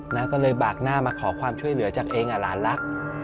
น้าก็เลยบากหน้ามาขอความช่วยเหลือจากเองหลานรัก